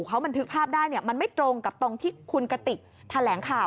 เขาบันทึกภาพได้มันไม่ตรงกับตรงที่คุณกติกแถลงข่าว